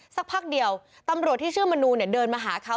สักพักเดียวตำรวจที่ชื่อมนูเนี่ยเดินมาหาเขา